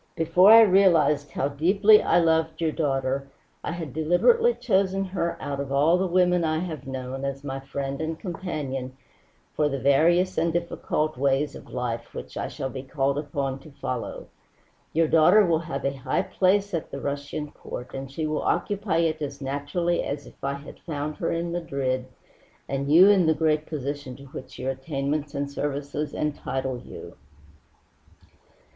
Before I realized how deeply I loved your daughter I had deliberately chosen her out of all the women I have known, as my friend and companion for the various and difficult ways of life which I shall be called upon to follow. Your daughter will have a high place at the Russian Court, and she will occupy it as naturally as if I had found her in Madrid and you in the great position to which your attainments and services entitle you."